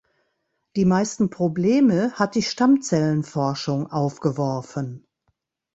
Die meisten Probleme hat die Stammzellenforschung aufgeworfen.